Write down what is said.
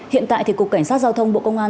hiện tại cục cảnh sát giao thông bộ công an